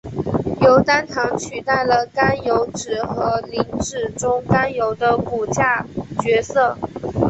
由单糖取代了甘油酯和磷脂中甘油的骨架角色。